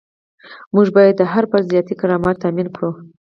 موږ باید د هر فرد ذاتي کرامت تامین کړو.